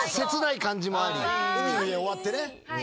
海の家終わってね。